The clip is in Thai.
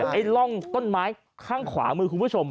ไอ้ร่องต้นไม้ข้างขวามือคุณผู้ชม